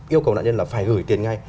yêu cầu nạn nhân là phải gửi tiền ngay